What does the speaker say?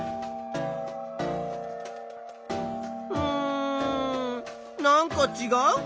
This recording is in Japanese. うんなんかちがう？